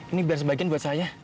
ini biar sebagian buat saya